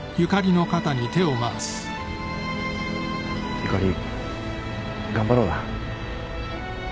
ゆかり頑張ろうな。